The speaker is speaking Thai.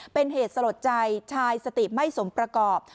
เป็นเหตุสลดใจชายสติไม่สมประกอบ